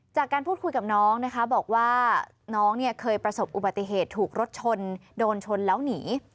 จากการพูดคุยกับน้องนะคะบอกว่าน้องเนี่ยเคยประสบอุบัติเหตุถูกรถชนโดนชนแล้วหนี